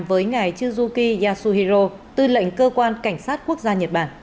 với ngài juki yasuhiro tư lệnh cơ quan cảnh sát quốc gia nhật bản